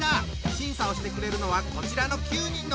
審査をしてくれるのはこちらの９人の子どもたち。